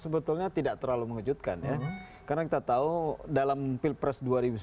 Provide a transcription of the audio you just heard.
sebetulnya tidak terlalu mengejutkan ya karena kita tahu dalam pilpres dua ribu sembilan belas